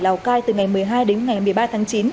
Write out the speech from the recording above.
lào cai từ ngày một mươi hai đến ngày một mươi ba tháng chín